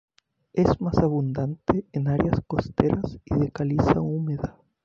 Es más abundante en áreas costeras y de caliza húmeda.